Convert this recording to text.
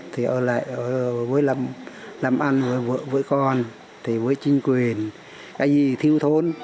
thì ở lại làm ăn với con với chính quyền cái gì thiếu thốn